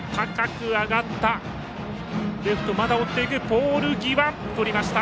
ポール際、とりました。